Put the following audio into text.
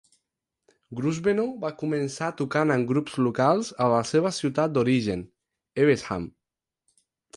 Grosvenor va començar tocant en grups locals a la seva ciutat d'origen, Evesham.